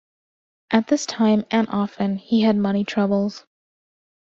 At this time, and often, he had money troubles.